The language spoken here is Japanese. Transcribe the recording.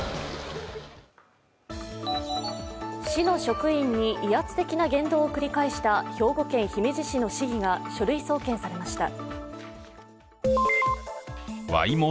市の職員に威圧的な言動を繰り返した兵庫県姫路市の市議が書類送検されました。